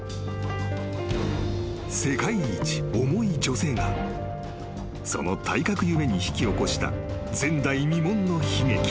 ［世界一重い女性がその体格故に引き起こした前代未聞の悲劇］